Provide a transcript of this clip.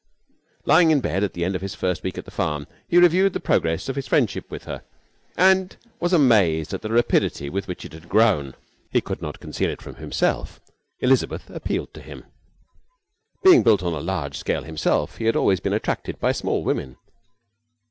Lying in bed at the end of his first week at the farm, he reviewed the progress of his friendship with her, and was amazed at the rapidity with which it had grown. He could not conceal it from himself Elizabeth appealed to him. Being built on a large scale himself, he had always been attracted by small women.